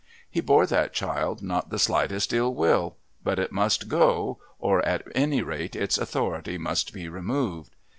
He bore that child not the slightest ill will, but it must go or, at any rate, its authority must be removed.